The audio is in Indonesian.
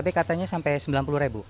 tapi katanya sampai sembilan puluh ribu